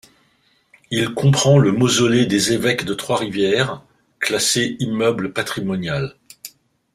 Il comprend le mausolée des Évêques-de-Trois-Rivières, classé immeuble patrimonial.